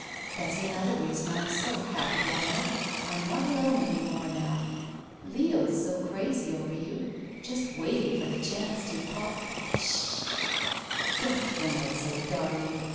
That's another reason I'm so happy. Alma. I'm not alone any more now. Leo's so crazy over you, just waiting for the chance to — ^pop —" "Shh— sh— h— h!" "Don't tremble so, darling.